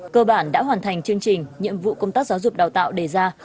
cơ bản đã hoàn thành chương trình nhiệm vụ công tác giáo dục đào tạo đề ra